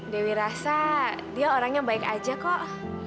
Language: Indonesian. dewi rasa dia orang yang baik aja kok